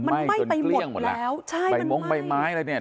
มันไหม้ไปหมดแล้วใช่มันไหม้ใบมงค์ใบไม้อะไรนี่